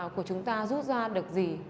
của chúng ta rút ra được gì